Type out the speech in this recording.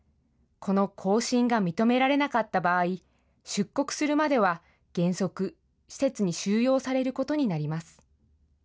この更新が認められなかった場合、出国するまでは原則、施設に収容されることになります。